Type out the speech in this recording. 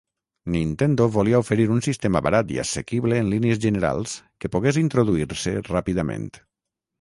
Nintendo volia oferir un sistema barat i assequible en línies generals que pogués introduir-se ràpidament.